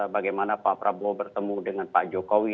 bagaimana pak prabowo bertemu dengan pak jokowi